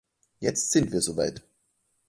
Jetzt sind wir so weit!